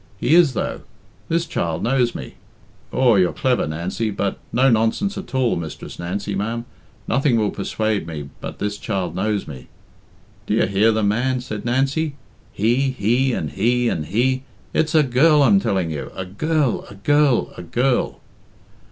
He is, though. This child knows me. Aw, you're clever, Nancy, but no nonsense at all, Mistress Nancy, ma'am. Nothing will persuade me but this child knows me." "Do you hear the man?" said Nancy. "He and he, and he and he! It's a girl, I'm telling you; a girl a girl a girl."